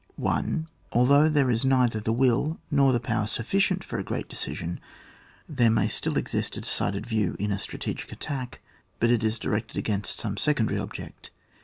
1. Although there is neither the will nor the power sufficient for a great decision, there may still exist a decided view in a strategic attack, but it is directed agaiof^t some secondaiy object.